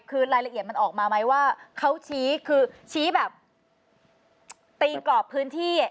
คือรายละเอียดมันออกมาไหมว่าเขาชี้คือชี้แบบตีกรอบพื้นที่